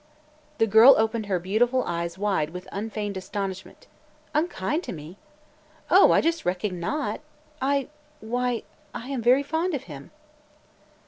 The girl opened her beautiful eyes wide with unfeigned astonishment. "Unkind to me! Oh, I just reckon not! I – why, I am very fond of him!"